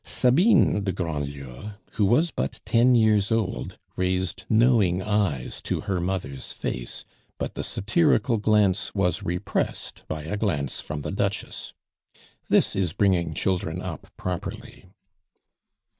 Sabine de Grandlieu, who was but ten years old, raised knowing eyes to her mother's face, but the satirical glance was repressed by a glance from the Duchess. This is bringing children up properly.